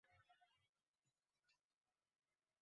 তোর বাবা ওটা তোকে গাছের বাকল কাটার জন্য দিয়ে গেছে।